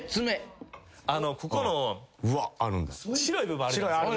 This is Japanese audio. ここの白い部分あるじゃないですか。